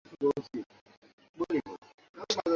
তোর বাবাও একই কথা বলতো।